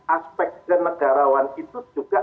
aspek kenegarawan itu juga